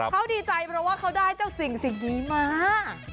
เขาดีใจเพราะว่าเขาได้เจ้าสิ่งสิ่งนี้มา